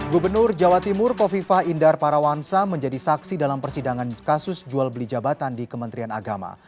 gubernur jawa timur kofifah indar parawansa menjadi saksi dalam persidangan kasus jual beli jabatan di kementerian agama